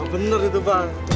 bener itu bang